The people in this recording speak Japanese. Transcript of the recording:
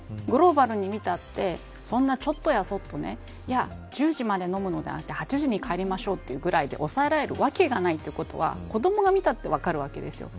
グローバルに見たってそんな、ちょっとやそっと１０時までの飲もうではなくて８時に帰りましょうというくらいで抑えられるわけがないって子どもが見たって分かるわけです。